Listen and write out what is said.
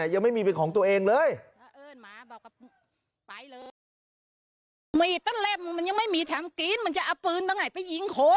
ยังไม่มีเป็นของตัวเองเลย